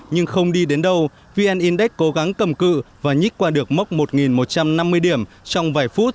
nhưng không đi đến đâu vn index cố gắng cầm cự và nhích qua được mốc một một trăm năm mươi điểm trong vài phút